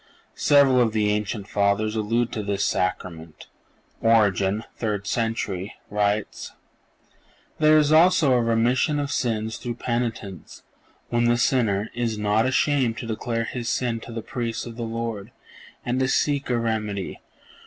(483) Several of the ancient Fathers allude to this Sacrament. Origen (third century) writes: "There is also a remission of sins through penitence, when the sinner ... is not ashamed to declare his sin to the Priest of the Lord, and to seek a remedy